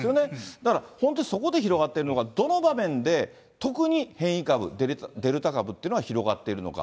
だから、本当にそこで広がっているのか、どの場面で特に変異株、デルタ株っていうのが広がっているのか。